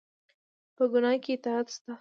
په ګناه کې اطاعت شته؟